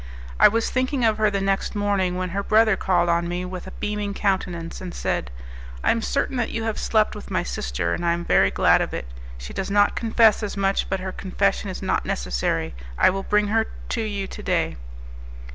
I was thinking of her the next morning when her brother called on me with a beaming countenance, and said, "I am certain that you have slept with my sister, and I am very glad of it. She does not confess as much, but her confession is not necessary. I will bring her to you to day."